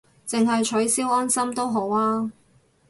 淨係取消安心都好吖